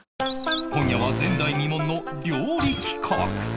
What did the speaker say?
今夜は前代未聞の料理企画